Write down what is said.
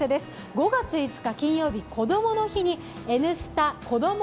５月５日金曜日、こどもの日に「Ｎスタ」子ども